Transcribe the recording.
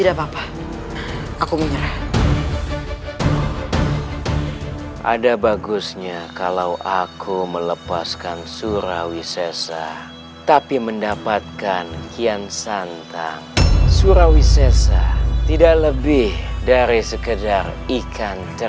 kau ingin aku melepaskan keponakan keluarga dana